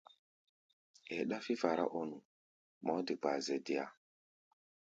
Ɛɛ ɗáfí fará-ɔ-nu, mɔɔ́ de kpaa zɛ deá.